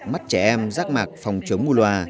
mắt trẻ em rác mạc phòng chống mù loà